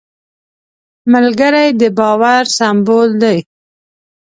ملګری د باور سمبول دی